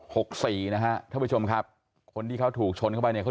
หกสี่นะฮะท่านผู้ชมครับคนที่เขาถูกชนเข้าไปเนี่ยเขา